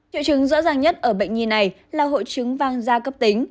triệu chứng rõ ràng nhất ở bệnh nhi này là hội chứng vang da cấp tính